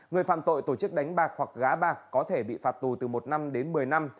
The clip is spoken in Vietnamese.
người phạm tội tổ chức đánh bạc hoặc gá bạc có thể bị phạt tù từ một năm đến một mươi năm